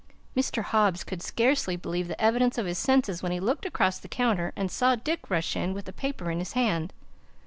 Mr. Hobbs could scarcely believe the evidence of his senses when he looked across the counter and saw Dick rush in with the paper in his hand.